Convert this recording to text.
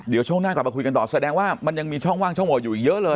เดี๋ยวช่วงหน้ากลับมาคุยกันต่อแสดงว่ามันยังมีช่องว่างช่องโหวตอยู่อีกเยอะเลย